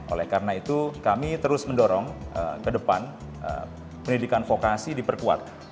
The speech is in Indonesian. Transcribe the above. oleh karena itu kami terus mendorong ke depan pendidikan vokasi diperkuat